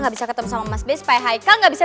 nggak bisa ketemu sama mas b supaya haikal nggak bisa